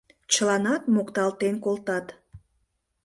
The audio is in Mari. — чыланат мокталтен колтат.